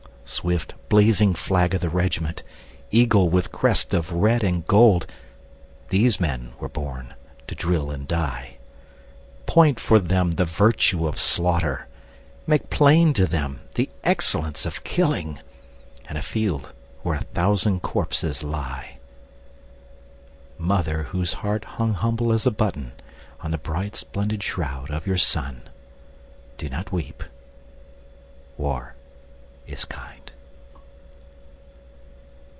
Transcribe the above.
Swift blazing flag of the regiment, Eagle with crest of red and gold, These men were born to drill and die. Point for them the virtue of slaughter, Make plain to them the excellence of killing And a field where a thousand corpses lie. Mother whose heart hung humble as a button On the bright splendid shroud of your son, Do not weep. War is kind.